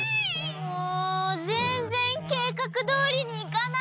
もうぜんぜんけいかくどおりにいかない！